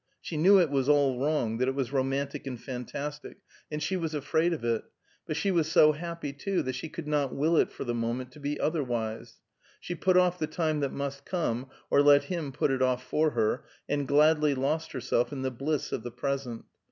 She knew it was all wrong, that it was romantic and fantastic, and she was afraid of it; but she was so happy too, that she could not will it for the moment to be otherwise. She put off the time that must come, or let him put it off for her, and gladly lost herself in the bliss of the present.